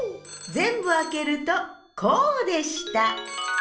ぜんぶあけるとこうでした。